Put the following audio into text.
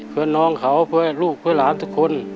เพื่อน้องเขาเพื่อลูกเพื่อหลานทุกคน